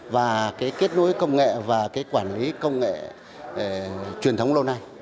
và kết nối công nghệ và quản lý công nghệ truyền thống lâu nay